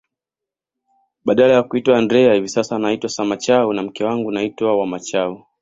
Badala ya kuitwa Andrea hivi sasa naitwa Samachau na mke wangu anaitwa Wanamachau